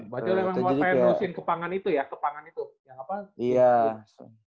bacar emang mau pengen nusin kepangan itu ya kepangan itu yang apa